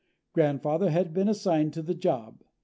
Grandfather had been assigned to the job.